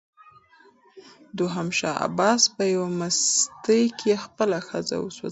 دوهم شاه عباس په یوه مستۍ کې خپله ښځه وسوځوله.